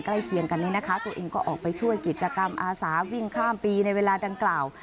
เคียงกันนี้นะคะตัวเองก็ออกไปช่วยกิจกรรมอาสาวิ่งข้ามปีในเวลาดังกล่าว